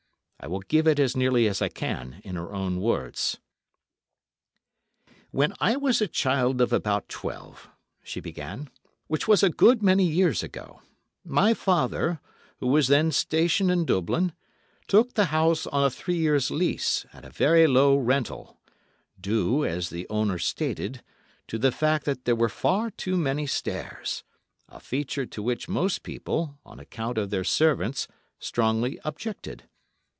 I will give it as nearly as I can in her own words: "When I was a child of about twelve," she began, "which was a good many years ago, my father, who was then stationed in Dublin, took the house on a three years' lease, at a very low rental, due, so the owner stated, to the fact that there were far too many stairs, a feature to which most people, on account of their servants, strongly objected.